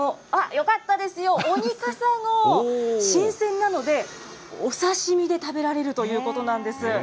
よかったですよ、オニカサゴ、新鮮なので、お刺身で食べられるということなんです。